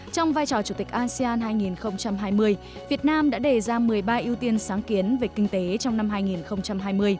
trong vai trò chủ tịch asean hai nghìn hai mươi việt nam đã đề ra một mươi ba ưu tiên sáng kiến về kinh tế trong năm hai nghìn hai mươi